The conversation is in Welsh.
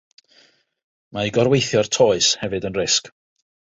Mae gor-weithio'r toes hefyd yn risg.